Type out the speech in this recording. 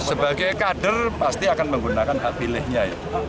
sebagai kader pasti akan menggunakan apilehnya